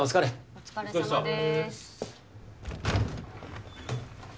お疲れさまです。